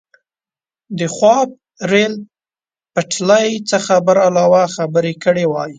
د خواف ریل پټلۍ څخه برعلاوه خبرې کړې وای.